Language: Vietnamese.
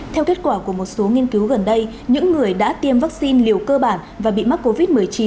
theo kết quả của một số nghiên cứu gần đây những người đã tiêm vaccine liều cơ bản và bị mắc covid một mươi chín